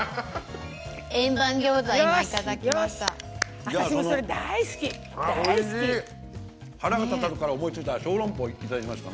円盤餃子いただきました。